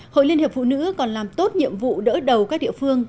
hội liên hiệp phụ nữ còn làm tốt nhiệm vụ đỡ đầu các địa phương